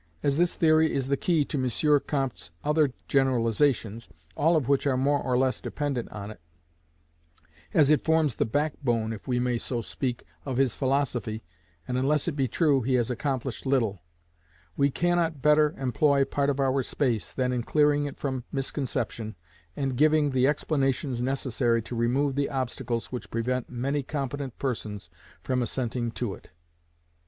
As this theory is the key to M. Comte's other generalizations, all of which arc more or less dependent on it; as it forms the backbone, if we may so speak, of his philosophy, and, unless it be true, he has accomplished little; we cannot better employ part of our space than in clearing it from misconception, and giving the explanations necessary to remove the obstacles which prevent many competent persons from assenting to it.